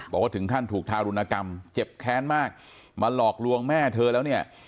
บอกว่าถึงขั้นถูกทารุณกรรมเจ็บแค้นมากมาหลอกลวงแม่เธอแล้วเนี่ย